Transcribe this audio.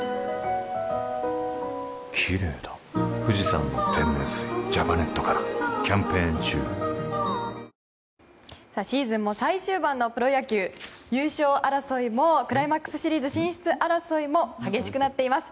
日本が怒涛のスリーポイント攻撃でシーズンも最終盤のプロ野球優勝争いもクライマックスシリーズ進出争いも激しくなっています。